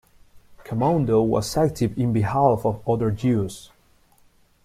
Camondo was active in behalf of other Jews.